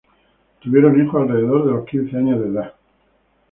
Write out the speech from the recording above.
Tuvieron hijos alrededor de los quince años de edad.